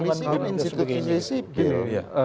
polisi dan institusi sipil